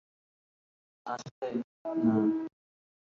আসলে, না।